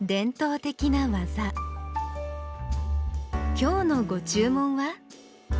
今日のご注文は？